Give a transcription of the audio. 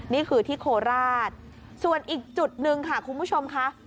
นี่คือที่โคราชส่วนอีกจุดหนึ่งค่ะคุณผู้ชมค่ะ